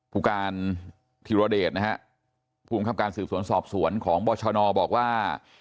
ภูการธิรดิตนะฮะผู้ข้ามการสื่อสวนสอบสวนของบรชนอบบอกว่า